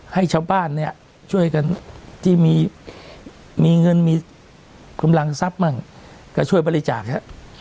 ให้ชาวบ้านเนี่ยช่วยกันที่มีเงินมีกำลังทรัพย์มั่งก็ช่วยบริจาคฮะ